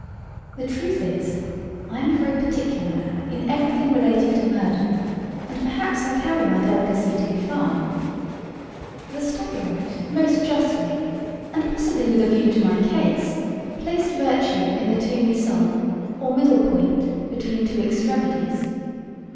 The truth is, I am a very particular man in everything relating to murder; and perhaps I carry my delicacy too far. The Stagyrite most justly, and possibly with a view to my case, placed virtue in the [Greek: to meson] or middle point between two extremes.